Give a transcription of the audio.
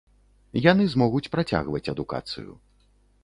Яны змогуць працягваць адукацыю.